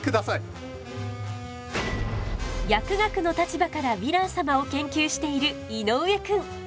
薬学の立場からヴィラン様を研究している井之上くん。